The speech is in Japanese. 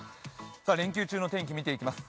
連休中の天気、見ていきます。